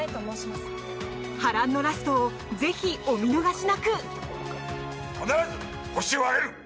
波乱のラストをぜひお見逃しなく！